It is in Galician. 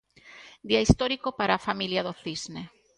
Día histórico para a familia do Cisne.